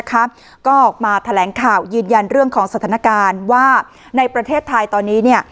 ก็ออกมาแถลงข่าวยืนยันเรื่องของสถานการณ์ว่าในประเทศไทยตอนนี้